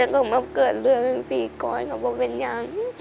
แต่ก็มันเกิดเรื่องสี่ก้อนกับผมเป็นอย่าง